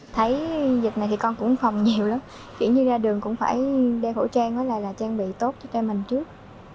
thấy dịch này thì con cũng phòng nhiều lắm chỉ như ra đường cũng phải đeo khẩu trang đó là trang bị tốt cho mình trước